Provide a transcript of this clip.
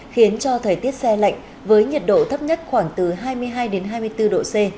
khiến cho thời tiết xe lạnh với nhiệt độ thấp nhất khoảng từ hai mươi hai đến hai mươi bốn độ c